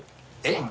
えっ？